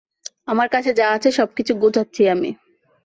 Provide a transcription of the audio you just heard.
আমার কাছে যা আছে সবকিছু গোছাচ্ছি আমি।